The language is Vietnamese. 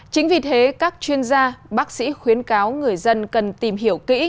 chính vì thế các chuyên gia bác sĩ khuyến cáo người dân cần tìm hiểu kỹ